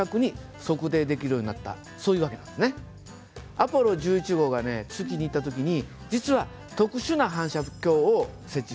アポロ１１号が月に行った時に実は特殊な反射鏡を設置しました。